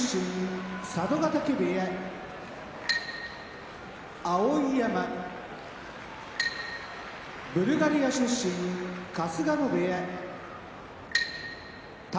佐渡ヶ嶽部屋碧山ブルガリア出身春日野部屋宝